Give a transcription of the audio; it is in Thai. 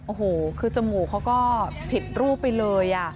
โอ้โหคือจมูกเขาก็ผิดรูปไปเลย